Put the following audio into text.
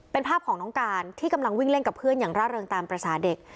เป็นภาพของน้องการที่กำลังวิ่งเล่นกับเพื่อนอย่างร่าเริงตามภาษาเด็ก